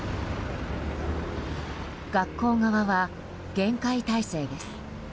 学校側は厳戒態勢です。